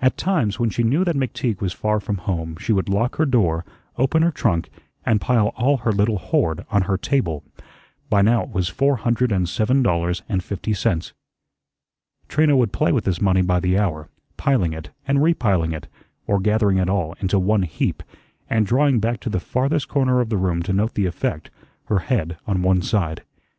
At times, when she knew that McTeague was far from home, she would lock her door, open her trunk, and pile all her little hoard on her table. By now it was four hundred and seven dollars and fifty cents. Trina would play with this money by the hour, piling it, and repiling it, or gathering it all into one heap, and drawing back to the farthest corner of the room to note the effect, her head on one side.